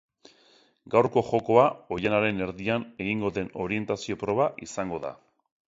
Gaurko jokoa oihanaren erdian egingo den orientazio proba izango da.